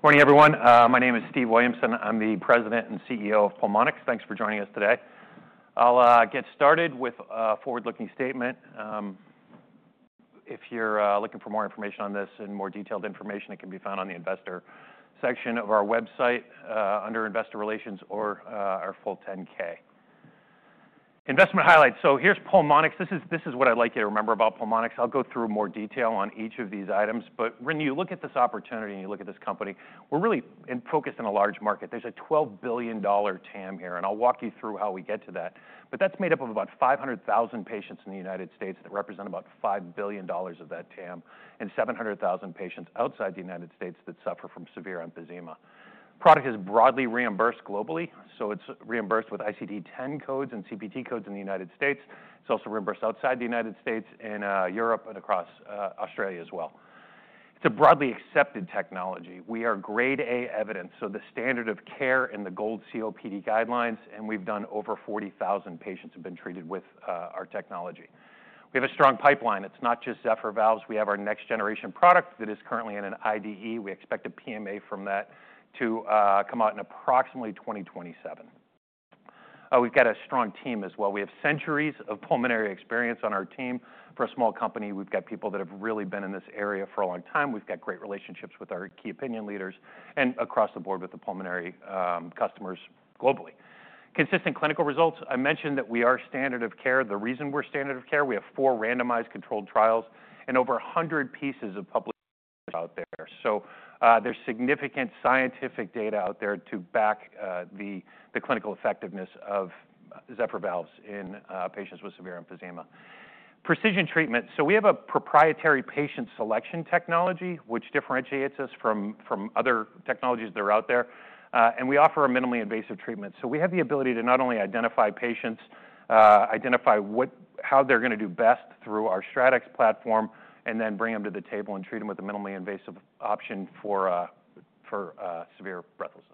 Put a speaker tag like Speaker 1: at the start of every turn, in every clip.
Speaker 1: Morning, everyone. My name is Steve Williamson. I'm the President and CEO of Pulmonx. Thanks for joining us today. I'll get started with a forward-looking statement. If you're looking for more information on this and more detailed information, it can be found on the investor section of our website under Investor Relations or our full 10-K. Investment highlights. So here's Pulmonx. This is what I'd like you to remember about Pulmonx. I'll go through more detail on each of these items. But when you look at this opportunity and you look at this company, we're really focused on a large market. There's a $12 billion TAM here, and I'll walk you through how we get to that. But that's made up of about 500,000 patients in the United States that represent about $5 billion of that TAM and 700,000 patients outside the United States that suffer from severe emphysema. The product is broadly reimbursed globally. It is reimbursed with ICD-10 codes and CPT codes in the United States. It is also reimbursed outside the United States in Europe and across Australia as well. It is a broadly accepted technology. We are Grade A evidence, the standard of care in the GOLD COPD guidelines. We have done over 40,000 patients who have been treated with our technology. We have a strong pipeline. It is not just Zephyr valves. We have our next-generation product that is currently in an IDE. We expect a PMA from that to come out in approximately 2027. We have a strong team as well. We have centuries of pulmonary experience on our team. For a small company, we have people that have really been in this area for a long time. We've got great relationships with our key opinion leaders and across the board with the pulmonary customers globally. Consistent clinical results. I mentioned that we are standard of care. The reason we're standard of care, we have four randomized controlled trials and over 100 pieces of published out there. So there's significant scientific data out there to back the clinical effectiveness of Zephyr valves in patients with severe emphysema. Precision treatment. We have a proprietary patient selection technology, which differentiates us from other technologies that are out there. We offer a minimally invasive treatment. We have the ability to not only identify patients, identify how they're going to do best through our StratX platform, and then bring them to the table and treat them with a minimally invasive option for severe breathlessness.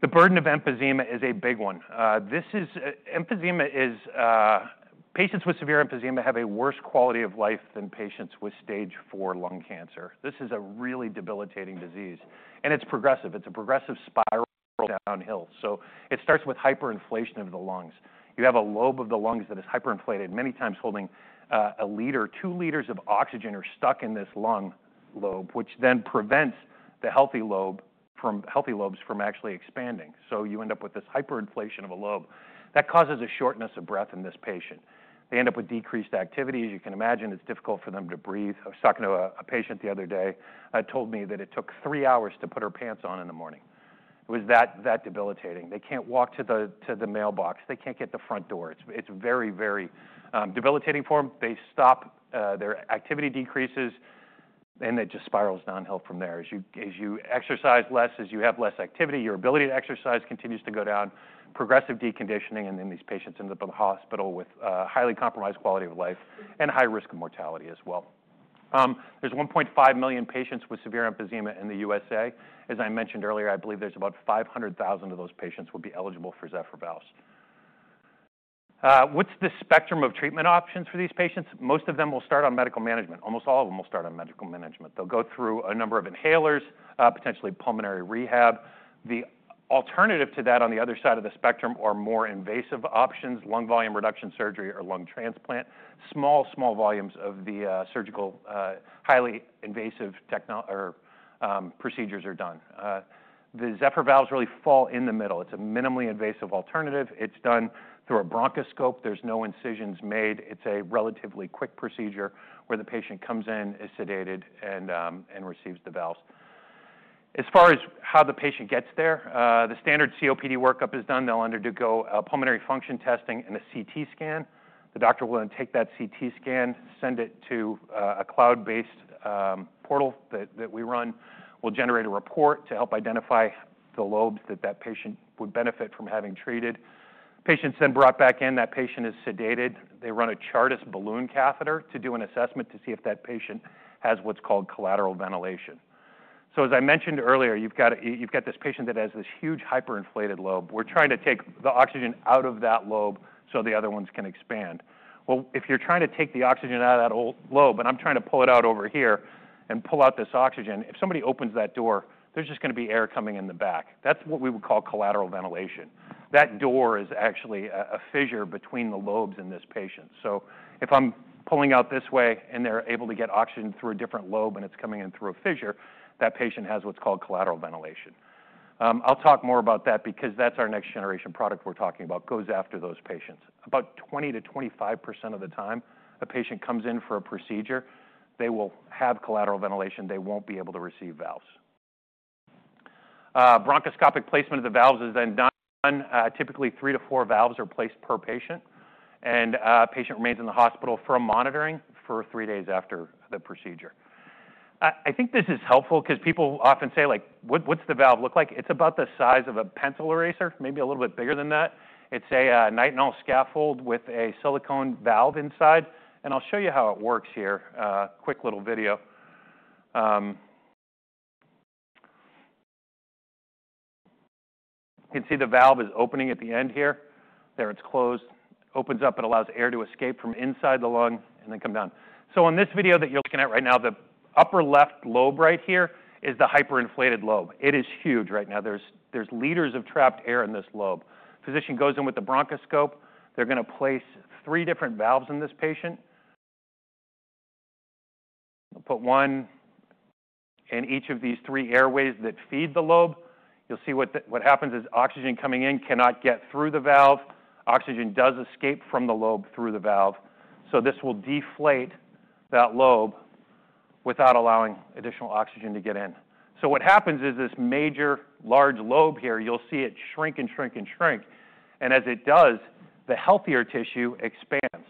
Speaker 1: The burden of emphysema is a big one. Patients with severe emphysema have a worse quality of life than patients with stage IV lung cancer. This is a really debilitating disease. It is progressive. It is a progressive spiral downhill. It starts with hyperinflation of the lungs. You have a lobe of the lungs that is hyperinflated, many times holding a liter, two liters of oxygen are stuck in this lung lobe, which then prevents the healthy lobes from actually expanding. You end up with this hyperinflation of a lobe. That causes a shortness of breath in this patient. They end up with decreased activity. As you can imagine, it is difficult for them to breathe. I was talking to a patient the other day. She told me that it took three hours to put her pants on in the morning. It was that debilitating. They cannot walk to the mailbox. They cannot get to the front door. It's very, very debilitating for them. They stop. Their activity decreases, and it just spirals downhill from there. As you exercise less, as you have less activity, your ability to exercise continues to go down, progressive deconditioning, and then these patients end up in the hospital with a highly compromised quality of life and high risk of mortality as well. There's 1.5 million patients with severe emphysema in the U.S.A. As I mentioned earlier, I believe there's about 500,000 of those patients who would be eligible for Zephyr valves. What's the spectrum of treatment options for these patients? Most of them will start on medical management. Almost all of them will start on medical management. They'll go through a number of inhalers, potentially pulmonary rehab. The alternative to that on the other side of the spectrum are more invasive options, lung volume reduction surgery or lung transplant. Small volumes of the surgical highly invasive procedures are done. The Zephyr valves really fall in the middle. It's a minimally invasive alternative. It's done through a bronchoscope. There's no incisions made. It's a relatively quick procedure where the patient comes in, is sedated, and receives the valves. As far as how the patient gets there, the standard COPD workup is done. They'll undergo pulmonary function testing and a CT scan. The doctor will then take that CT scan, send it to a cloud-based portal that we run. We'll generate a report to help identify the lobes that that patient would benefit from having treated. Patient's then brought back in. That patient is sedated. They run a Chartis balloon catheter to do an assessment to see if that patient has what's called collateral ventilation. As I mentioned earlier, you've got this patient that has this huge hyperinflated lobe. We're trying to take the oxygen out of that lobe so the other ones can expand. If you're trying to take the oxygen out of that lobe, and I'm trying to pull it out over here and pull out this oxygen, if somebody opens that door, there's just going to be air coming in the back. That's what we would call collateral ventilation. That door is actually a fissure between the lobes in this patient. If I'm pulling out this way and they're able to get oxygen through a different lobe and it's coming in through a fissure, that patient has what's called collateral ventilation. I'll talk more about that because that's our next-generation product we're talking about, goes after those patients. About 20%-25% of the time a patient comes in for a procedure, they will have collateral ventilation. They won't be able to receive valves. Bronchoscopic placement of the valves is then done. Typically, three to four valves are placed per patient. The patient remains in the hospital for monitoring for three days after the procedure. I think this is helpful because people often say, like, "What's the valve look like?" It's about the size of a pencil eraser, maybe a little bit bigger than that. It's a nitinol scaffold with a silicone valve inside. I'll show you how it works here. Quick little video. You can see the valve is opening at the end here. There it's closed. It opens up. It allows air to escape from inside the lung and then come down. On this video that you're looking at right now, the upper left lobe right here is the hyperinflated lobe. It is huge right now. There's liters of trapped air in this lobe. Physician goes in with the bronchoscope. They're going to place three different valves in this patient. Put one in each of these three airways that feed the lobe. You'll see what happens is oxygen coming in cannot get through the valve. Oxygen does escape from the lobe through the valve. This will deflate that lobe without allowing additional oxygen to get in. What happens is this major large lobe here, you'll see it shrink and shrink and shrink. As it does, the healthier tissue expands.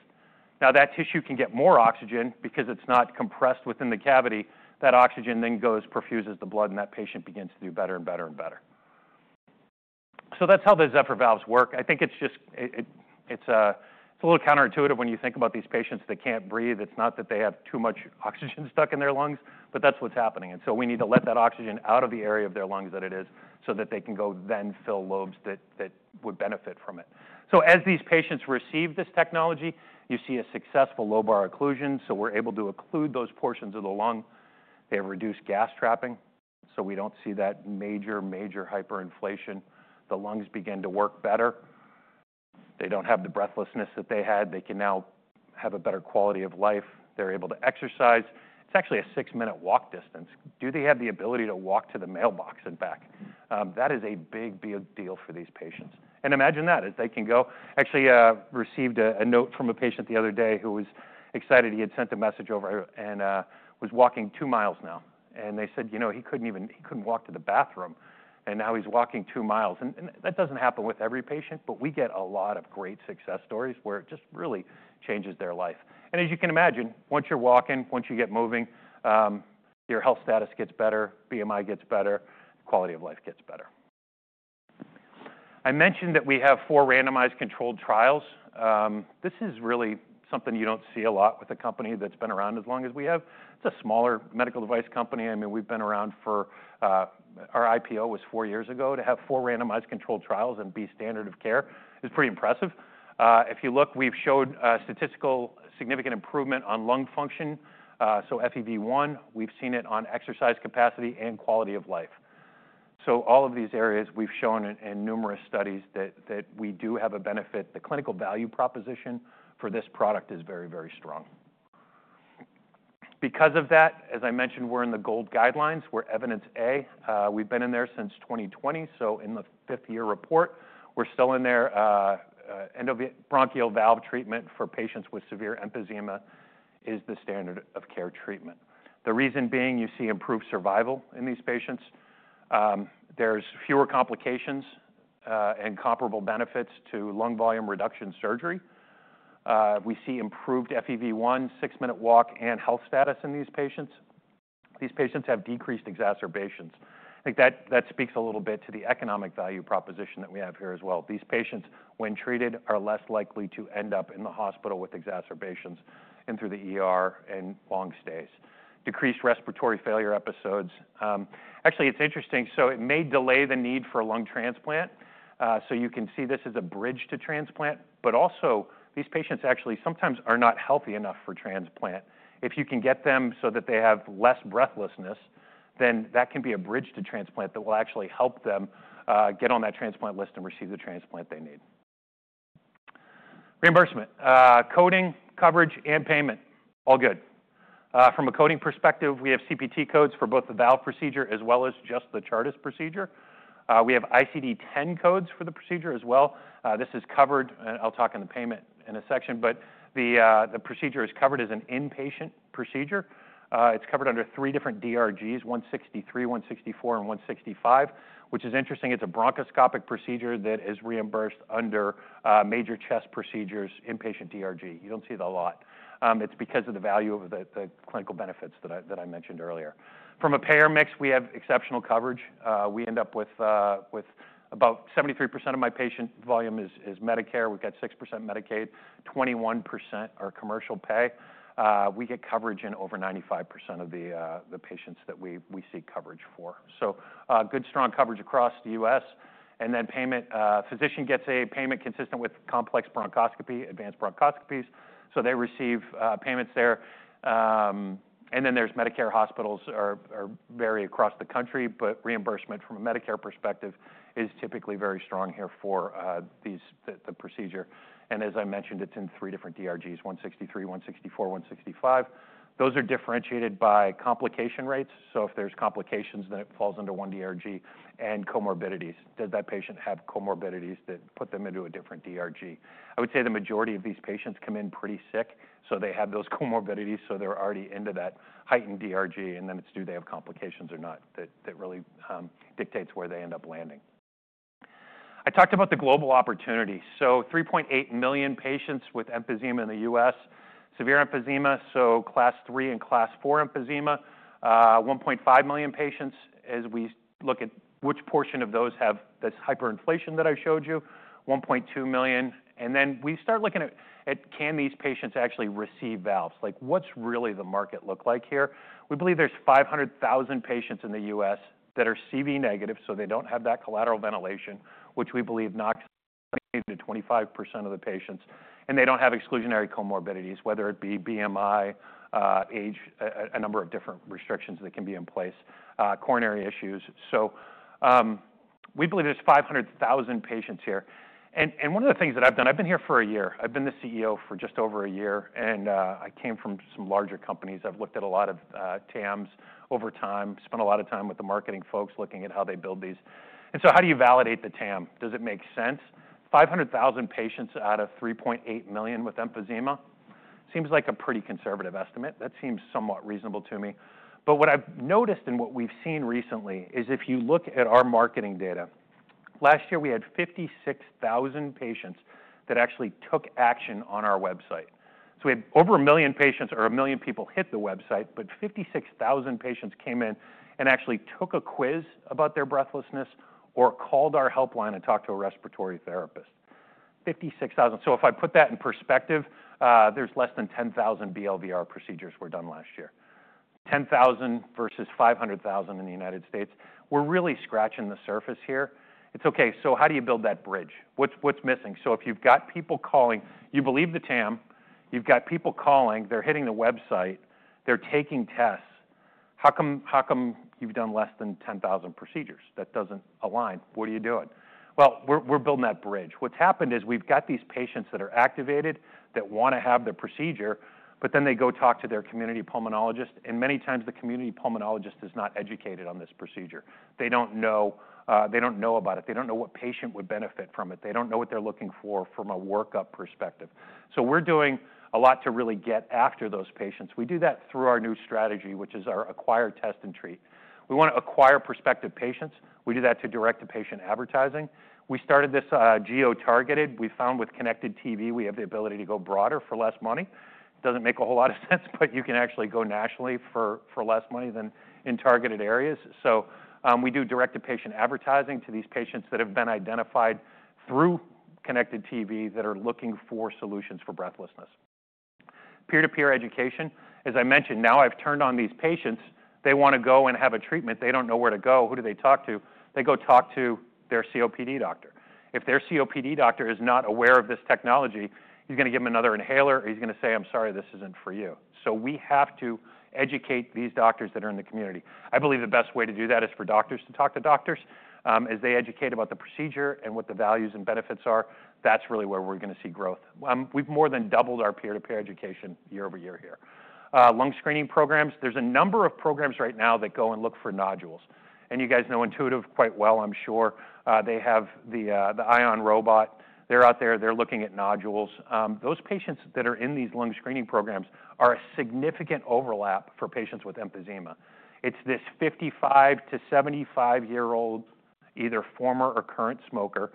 Speaker 1: Now that tissue can get more oxygen because it's not compressed within the cavity. That oxygen then goes, perfuses the blood, and that patient begins to do better and better and better. That's how the Zephyr valves work. I think it's just a little counterintuitive when you think about these patients that can't breathe. It's not that they have too much oxygen stuck in their lungs, but that's what's happening. We need to let that oxygen out of the area of their lungs that it is so that they can go then fill lobes that would benefit from it. As these patients receive this technology, you see a successful lobar occlusion. We're able to occlude those portions of the lung. They have reduced gas trapping. We don't see that major, major hyperinflation. The lungs begin to work better. They don't have the breathlessness that they had. They can now have a better quality of life. They're able to exercise. It's actually a six-minute walk distance. Do they have the ability to walk to the mailbox and back? That is a big deal for these patients. Imagine that as they can go. Actually received a note from a patient the other day who was excited. He had sent a message over and was walking 2 mi now. They said, "You know, he couldn't even walk to the bathroom. And now he's walking 2 mi." That doesn't happen with every patient, but we get a lot of great success stories where it just really changes their life. As you can imagine, once you're walking, once you get moving, your health status gets better, BMI gets better, quality of life gets better. I mentioned that we have four randomized controlled trials. This is really something you don't see a lot with a company that's been around as long as we have. It's a smaller medical device company. I mean, we've been around for our IPO was four years ago. To have four randomized controlled trials and be standard of care is pretty impressive. If you look, we've showed statistically significant improvement on lung function. So FEV1, we've seen it on exercise capacity and quality of life. All of these areas we've shown in numerous studies that we do have a benefit. The clinical value proposition for this product is very, very strong. Because of that, as I mentioned, we're in the GOLD guidelines. We're evidence A. We've been in there since 2020. In the fifth-year report, we're still in there. Bronchial valve treatment for patients with severe emphysema is the standard of care treatment. The reason being, you see improved survival in these patients. There's fewer complications and comparable benefits to lung volume reduction surgery. We see improved FEV1, six-minute walk, and health status in these patients. These patients have decreased exacerbations. I think that speaks a little bit to the economic value proposition that we have here as well. These patients, when treated, are less likely to end up in the hospital with exacerbations and through the and long stays. Decreased respiratory failure episodes. Actually, it's interesting. It may delay the need for a lung transplant. You can see this is a bridge to transplant. Also, these patients actually sometimes are not healthy enough for transplant. If you can get them so that they have less breathlessness, then that can be a bridge to transplant that will actually help them get on that transplant list and receive the transplant they need. Reimbursement. Coding, coverage, and payment. All good. From a coding perspective, we have CPT codes for both the valve procedure as well as just the Chartis procedure. We have ICD-10 codes for the procedure as well. This is covered. I'll talk in the payment in a section. The procedure is covered as an inpatient procedure. It's covered under three different DRGs, 163, 164, and 165, which is interesting. It's a bronchoscopic procedure that is reimbursed under major chest procedures, inpatient DRG. You don't see it a lot. It's because of the value of the clinical benefits that I mentioned earlier. From a payer mix, we have exceptional coverage. We end up with about 73% of my patient volume is Medicare. We've got 6% Medicaid. 21% are commercial pay. We get coverage in over 95% of the patients that we seek coverage for. Good, strong coverage across the U.S. Payment. Physician gets a payment consistent with complex bronchoscopy, advanced bronchoscopies. They receive payments there. There are Medicare hospitals that vary across the country. Reimbursement from a Medicare perspective is typically very strong here for the procedure. As I mentioned, it is in three different DRGs, 163, 164, 165. Those are differentiated by complication rates. If there are complications, then it falls under one DRG, and comorbidities. Does that patient have comorbidities that put them into a different DRG? I would say the majority of these patients come in pretty sick, so they have those comorbidities. They are already into that heightened DRG, and then it is do they have complications or not that really dictates where they end up landing. I talked about the global opportunity. 3.8 million patients with emphysema in the U.S. Severe emphysema, so class III and class IV emphysema, 1.5 million patients. As we look at which portion of those have this hyperinflation that I showed you, 1.2 million. Then we start looking at can these patients actually receive valves? Like, what's really the market look like here? We believe there's 500,000 patients in the U.S. that are CV negative. So they don't have that collateral ventilation, which we believe knocks 20%-25% of the patients. And they don't have exclusionary comorbidities, whether it be BMI, age, a number of different restrictions that can be in place, coronary issues. We believe there's 500,000 patients here. One of the things that I've done, I've been here for a year. I've been the CEO for just over a year. I came from some larger companies. I've looked at a lot of TAMs over time, spent a lot of time with the marketing folks looking at how they build these. How do you validate the TAM? Does it make sense? 500,000 patients out of 3.8 million with emphysema. Seems like a pretty conservative estimate. That seems somewhat reasonable to me. What I've noticed and what we've seen recently is if you look at our marketing data, last year we had 56,000 patients that actually took action on our website. We had over a million patients or a million people hit the website, but 56,000 patients came in and actually took a quiz about their breathlessness or called our helpline and talked to a respiratory therapist. 56,000. If I put that in perspective, less than 10,000 BLVR procedures were done last year. 10,000 versus 500,000 in the United States. We're really scratching the surface here. It's okay. How do you build that bridge? What's missing? If you've got people calling, you believe the TAM. You've got people calling. They're hitting the website. They're taking tests. How come you've done less than 10,000 procedures? That doesn't align. What are you doing? We're building that bridge. What's happened is we've got these patients that are activated that want to have the procedure, but they go talk to their community pulmonologist. Many times the community pulmonologist is not educated on this procedure. They don't know about it. They don't know what patient would benefit from it. They don't know what they're looking for from a workup perspective. We're doing a lot to really get after those patients. We do that through our new strategy, which is our acquired test and treat. We want to acquire prospective patients. We do that through direct to patient advertising. We started this geo-targeted. We found with connected TV, we have the ability to go broader for less money. Doesn't make a whole lot of sense, but you can actually go nationally for less money than in targeted areas. We do direct to patient advertising to these patients that have been identified through connected TV that are looking for solutions for breathlessness. Peer-to-peer education. As I mentioned, now I've turned on these patients. They want to go and have a treatment. They don't know where to go. Who do they talk to? They go talk to their COPD doctor. If their COPD doctor is not aware of this technology, he's going to give them another inhaler or he's going to say, "I'm sorry, this isn't for you." We have to educate these doctors that are in the community. I believe the best way to do that is for doctors to talk to doctors as they educate about the procedure and what the values and benefits are. That's really where we're going to see growth. We've more than doubled our peer-to-peer education YoY here. Lung screening programs. There's a number of programs right now that go and look for nodules. You guys know Intuitive quite well, I'm sure. They have the ION robot. They're out there. They're looking at nodules. Those patients that are in these lung screening programs are a significant overlap for patients with emphysema. It's this 55-75 year-old, either former or current smoker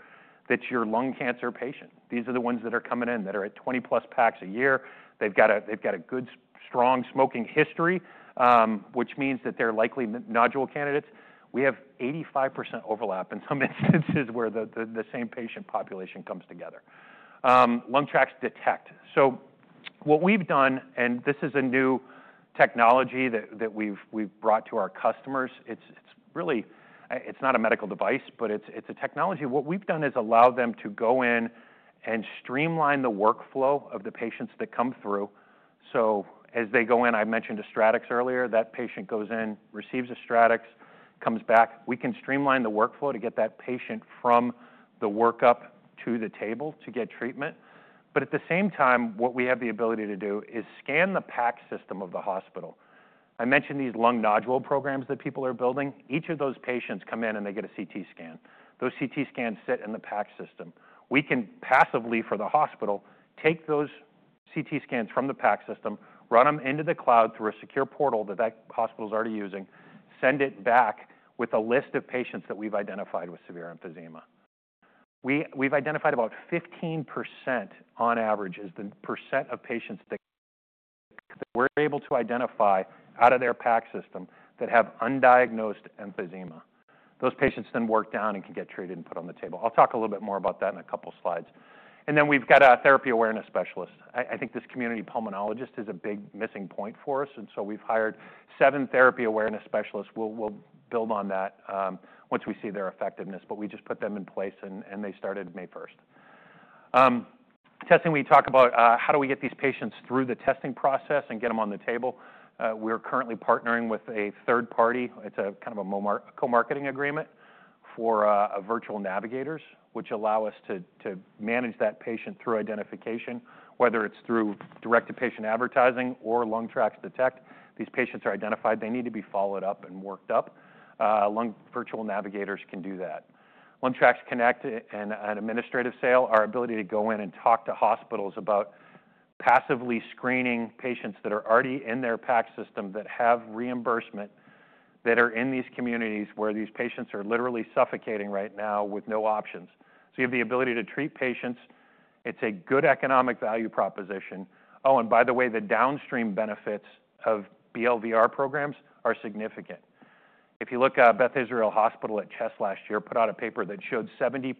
Speaker 1: that's your lung cancer patient. These are the ones that are coming in that are at 20-plus packs a year. They've got a good, strong smoking history, which means that they're likely nodule candidates. We have 85% overlap in some instances where the same patient population comes together. LungTraX Detect. What we've done, and this is a new technology that we've brought to our customers. It's not a medical device, but it's a technology. What we've done is allow them to go in and streamline the workflow of the patients that come through. As they go in, I mentioned a StratX earlier. That patient goes in, receives a StratX, comes back. We can streamline the workflow to get that patient from the workup to the table to get treatment. At the same time, what we have the ability to do is scan the PAC system of the hospital. I mentioned these lung nodule programs that people are building. Each of those patients come in and they get a CT scan. Those CT scans sit in the PAC system. We can passively, for the hospital, take those CT scans from the PAC system, run them into the cloud through a secure portal that that hospital is already using, send it back with a list of patients that we've identified with severe emphysema. We've identified about 15% on average is the percent of patients that we're able to identify out of their PAC system that have undiagnosed emphysema. Those patients then work down and can get treated and put on the table. I'll talk a little bit more about that in a couple of slides. We have a therapy awareness specialist. I think this community pulmonologist is a big missing point for us. We have hired seven therapy awareness specialists. We will build on that once we see their effectiveness. We just put them in place, and they started May 1. Testing, we talk about how do we get these patients through the testing process and get them on the table. We're currently partnering with a third party. It's a kind of a co-marketing agreement for virtual navigators, which allow us to manage that patient through identification, whether it's through direct to patient advertising or LungTraX Detect. These patients are identified. They need to be followed up and worked up. Virtual navigators can do that. LungTraX Connect and an administrative sale, our ability to go in and talk to hospitals about passively screening patients that are already in their PAC system that have reimbursement that are in these communities where these patients are literally suffocating right now with no options. You have the ability to treat patients. It's a good economic value proposition. Oh, and by the way, the downstream benefits of BLVR programs are significant. If you look at Beth Israel Hospital at Chestnut last year, put out a paper that showed 70%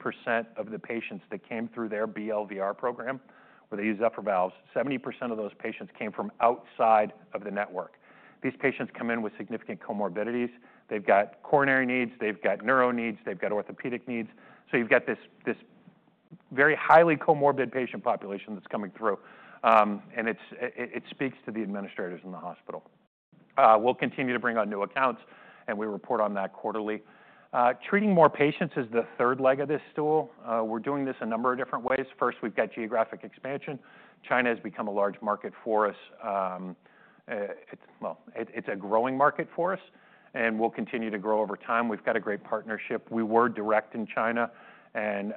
Speaker 1: of the patients that came through their BLVR program, where they use upper valves, 70% of those patients came from outside of the network. These patients come in with significant comorbidities. They've got coronary needs. They've got neuro needs. They've got orthopedic needs. You have this very highly comorbid patient population that's coming through. It speaks to the administrators in the hospital. We'll continue to bring on new accounts, and we report on that quarterly. Treating more patients is the third leg of this stool. We're doing this a number of different ways. First, we've got geographic expansion. China has become a large market for us. It is a growing market for us, and we'll continue to grow over time. We've got a great partnership. We were direct in China and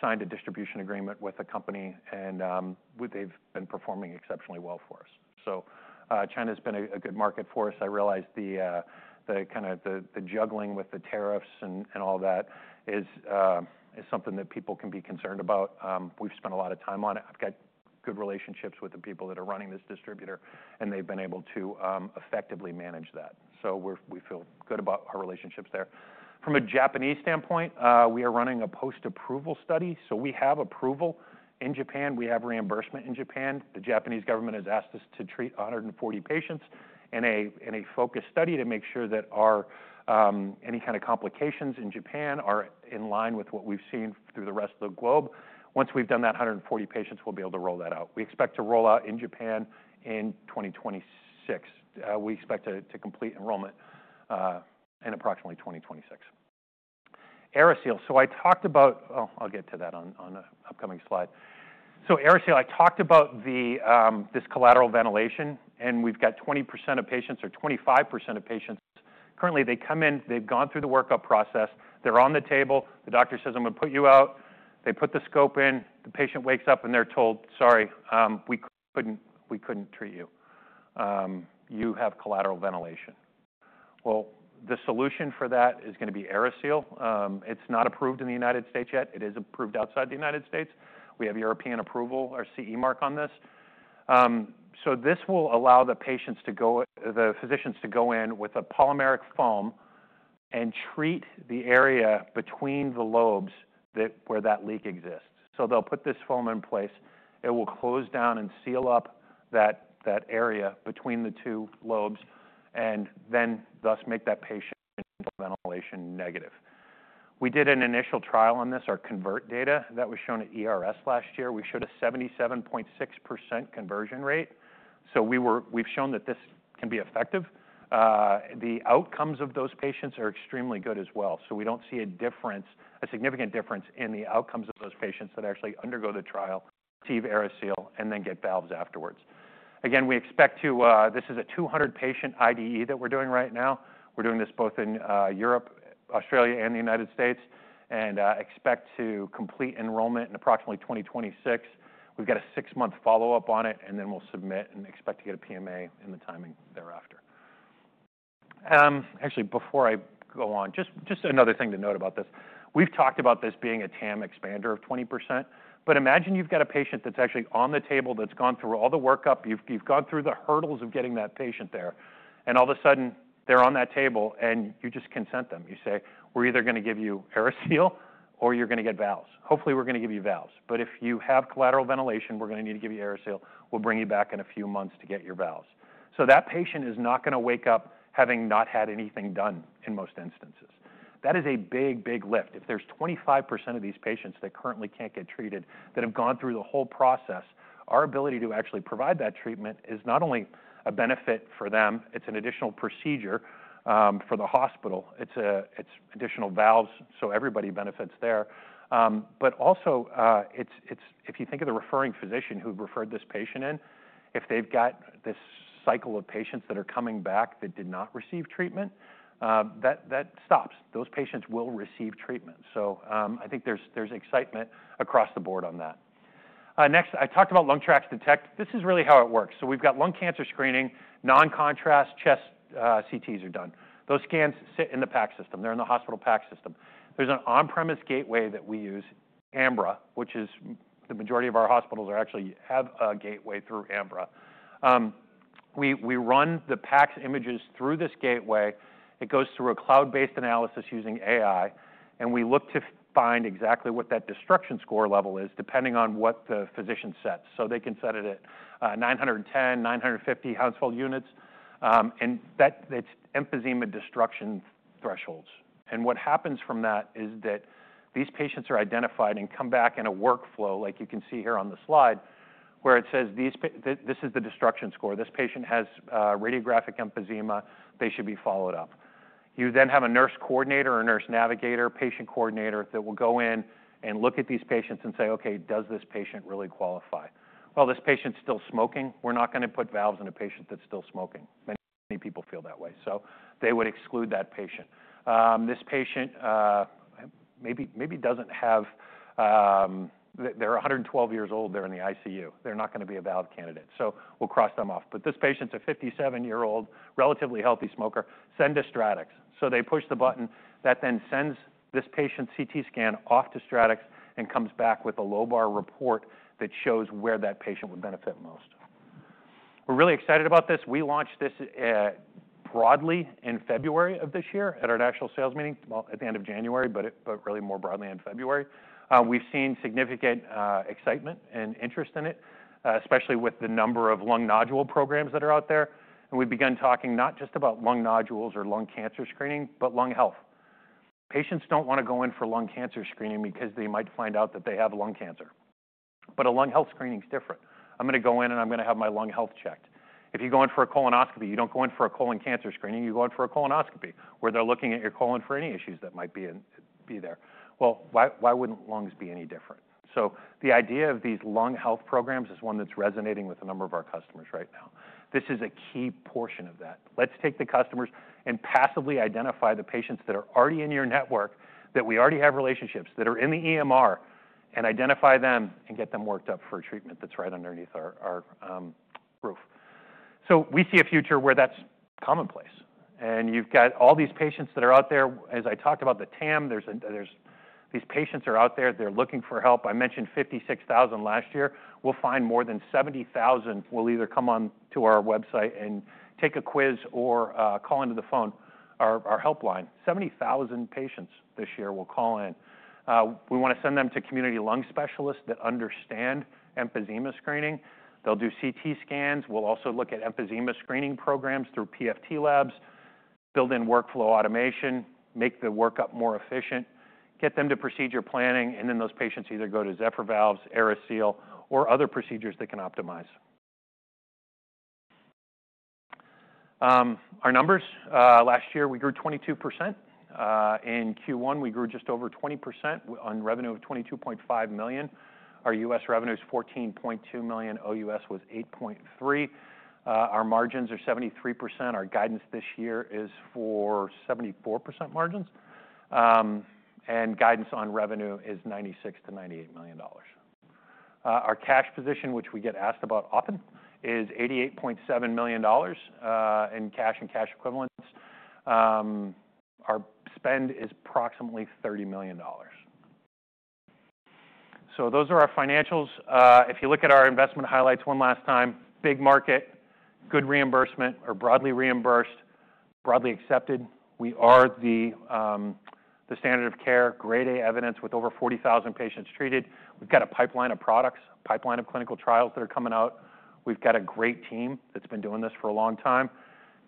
Speaker 1: signed a distribution agreement with a company. They have been performing exceptionally well for us. China has been a good market for us. I realize the kind of juggling with the tariffs and all that is something that people can be concerned about. We have spent a lot of time on it. I have good relationships with the people that are running this distributor, and they have been able to effectively manage that. We feel good about our relationships there. From a Japanese standpoint, we are running a post-approval study. We have approval in Japan. We have reimbursement in Japan. The Japanese government has asked us to treat 140 patients in a focused study to make sure that any kind of complications in Japan are in line with what we have seen through the rest of the globe. Once we've done that 140 patients, we'll be able to roll that out. We expect to roll out in Japan in 2026. We expect to complete enrollment in approximately 2026. AeriSeal. I talked about, oh, I'll get to that on an upcoming slide. AeriSeal, I talked about this collateral ventilation. And we've got 20% or 25% of patients. Currently, they come in. They've gone through the workup process. They're on the table. The doctor says, "I'm going to put you out." They put the scope in. The patient wakes up, and they're told, "Sorry, we couldn't treat you. You have collateral ventilation." The solution for that is going to be AeriSeal. It's not approved in the United States yet. It is approved outside the United States. We have European approval or CE mark on this. This will allow the patients to go, the physicians to go in with a polymeric foam and treat the area between the lobes where that leak exists. They'll put this foam in place. It will close down and seal up that area between the two lobes and thus make that patient ventilation negative. We did an initial trial on this, our CONVERT data that was shown at ERS last year. We showed a 77.6% conversion rate. We've shown that this can be effective. The outcomes of those patients are extremely good as well. We don't see a significant difference in the outcomes of those patients that actually undergo the trial, receive AeriSeal, and then get valves afterwards. Again, we expect to, this is a 200-patient IDE that we're doing right now. We're doing this both in Europe, Australia, and the United States, and expect to complete enrollment in approximately 2026. We've got a six-month follow-up on it, and then we'll submit and expect to get a PMA and the timing thereafter. Actually, before I go on, just another thing to note about this. We've talked about this being a TAM expander of 20%. Imagine you've got a patient that's actually on the table that's gone through all the workup. You've gone through the hurdles of getting that patient there. All of a sudden, they're on that table, and you just consent them. You say, "We're either going to give you AeriSeal or you're going to get valves. Hopefully, we're going to give you valves. If you have collateral ventilation, we're going to need to give you AeriSeal. We'll bring you back in a few months to get your valves. That patient is not going to wake up having not had anything done in most instances. That is a big, big lift. If there's 25% of these patients that currently can't get treated that have gone through the whole process, our ability to actually provide that treatment is not only a benefit for them. It's an additional procedure for the hospital. It's additional valves. Everybody benefits there. Also, if you think of the referring physician who referred this patient in, if they've got this cycle of patients that are coming back that did not receive treatment, that stops. Those patients will receive treatment. I think there's excitement across the board on that. Next, I talked about LungTraX Detect. This is really how it works. We've got lung cancer screening, non-contrast CTs are done. Those scans sit in the PAC system. They're in the hospital PAC system. There's an on-premise gateway that we use, Ambra, which is the majority of our hospitals actually have a gateway through Ambra. We run the PAC images through this gateway. It goes through a cloud-based analysis using AI. We look to find exactly what that destruction score level is depending on what the physician sets. They can set it at 910, 950 Hounsfield units. That's emphysema destruction thresholds. What happens from that is that these patients are identified and come back in a workflow like you can see here on the slide where it says, "This is the destruction score. This patient has radiographic emphysema. They should be followed up. You then have a nurse coordinator or a nurse navigator, patient coordinator that will go in and look at these patients and say, "Okay, does this patient really qualify?" This patient's still smoking. We're not going to put valves in a patient that's still smoking. Many people feel that way. They would exclude that patient. This patient maybe doesn't have their 112 years old. They're in the ICU. They're not going to be a valve candidate. We'll cross them off. This patient's a 57-year-old, relatively healthy smoker. Send to StratX. They push the button. That then sends this patient's CT scan off to StratX and comes back with a lobar report that shows where that patient would benefit most. We're really excited about this. We launched this broadly in February of this year at our national sales meeting, at the end of January, but really more broadly in February. We have seen significant excitement and interest in it, especially with the number of lung nodule programs that are out there. We have begun talking not just about lung nodules or lung cancer screening, but lung health. Patients do not want to go in for lung cancer screening because they might find out that they have lung cancer. A lung health screening is different. I am going to go in, and I am going to have my lung health checked. If you go in for a colonoscopy, you do not go in for a colon cancer screening. You go in for a colonoscopy where they are looking at your colon for any issues that might be there. Why would lungs be any different? The idea of these lung health programs is one that's resonating with a number of our customers right now. This is a key portion of that. Let's take the customers and passively identify the patients that are already in your network that we already have relationships with that are in the EMR and identify them and get them worked up for treatment that's right underneath our roof. We see a future where that's commonplace. You have all these patients that are out there. As I talked about the TAM, these patients are out there. They're looking for help. I mentioned 56,000 last year. We'll find more than 70,000. They'll either come on to our website and take a quiz or call into the phone, our helpline. 70,000 patients this year will call in. We want to send them to community lung specialists that understand emphysema screening. They'll do CT scans. We'll also look at emphysema screening programs through PFT labs, build in workflow automation, make the workup more efficient, get them to procedure planning, and then those patients either go to Zephyr valves, AeriSeal, or other procedures they can optimize. Our numbers last year, we grew 22%. In Q1, we grew just over 20% on revenue of $22.5 million. Our U.S. revenue is $14.2 million. OUS was $8.3 million. Our margins are 73%. Our guidance this year is for 74% margins. Guidance on revenue is $96 million-$98 million. Our cash position, which we get asked about often, is $88.7 million in cash and cash equivalents. Our spend is approximately $30 million. Those are our financials. If you look at our investment highlights one last time, big market, good reimbursement, or broadly reimbursed, broadly accepted. We are the standard of care, Grade A evidence with over 40,000 patients treated. We've got a pipeline of products, a pipeline of clinical trials that are coming out. We've got a great team that's been doing this for a long time,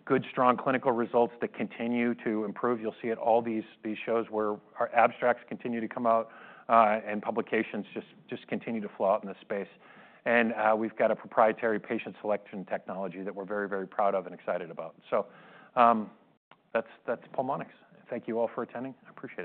Speaker 1: good, strong clinical results that continue to improve. You'll see it all these shows where our abstracts continue to come out and publications just continue to flow out in this space. We've got a proprietary patient selection technology that we're very, very proud of and excited about. That is Pulmonx. Thank you all for attending. I appreciate it.